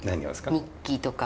日記とか。